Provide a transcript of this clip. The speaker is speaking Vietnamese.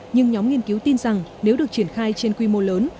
nhưng nhóm nghiên cứu tin rằng nếu được triển khai trên quy mô lớn